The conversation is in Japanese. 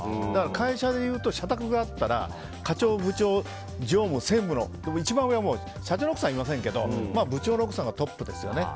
会社でいうと社宅があったら課長、部長、常務、専務の一番上は社長の奥さんはいませんけども部長の奥さんがトップですよね。